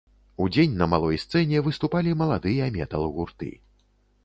Удзень на малой сцэне выступалі маладыя метал-гурты.